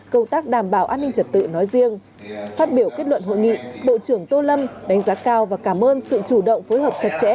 công tác đảm bảo an ninh trật tự nói riêng phát biểu kết luận hội nghị bộ trưởng tô lâm đánh giá cao và cảm ơn sự chủ động phối hợp chặt chẽ